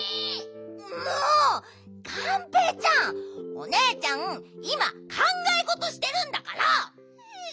おねえちゃんいまかんがえごとしてるんだから！